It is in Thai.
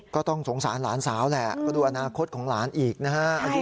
ก็ต้องสงสารหลานสาวแหละก็ดูอนาคตของหลานอีกนะฮะ